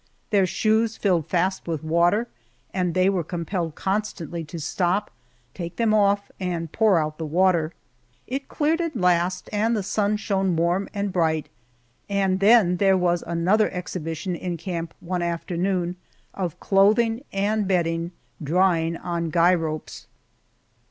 Their shoes filled fast with water, and they were compelled constantly to stop, take them off, and pour out the water. It cleared at last and the sun shone warm and bright, and then there was another exhibition in camp one afternoon, of clothing and bedding drying on guy ropes.